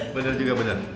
bener juga bener